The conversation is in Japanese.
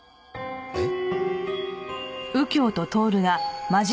えっ？